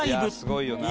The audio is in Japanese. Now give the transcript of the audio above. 「すごいよな」